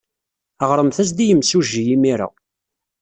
Ɣremt-as-d i yimsujji imir-a.